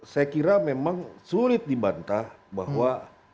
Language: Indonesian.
saya kira memang sulit dibantah bahwa